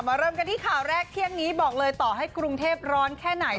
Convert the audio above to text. เริ่มกันที่ข่าวแรกเที่ยงนี้บอกเลยต่อให้กรุงเทพร้อนแค่ไหน